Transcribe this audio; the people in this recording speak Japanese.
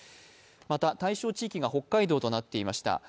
また、対象地域が北海道となっていました。